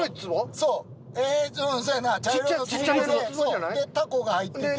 そうでタコが入ってて。